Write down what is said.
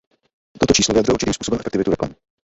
Toto číslo vyjadřuje určitým způsobem efektivitu reklamy.